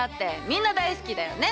みんな大好きだよね。